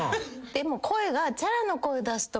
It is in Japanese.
でも声が。